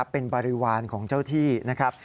เป็นบริวารของเจ้าที่นะครับ